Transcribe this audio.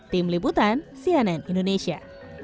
tim liputan cnn indonesia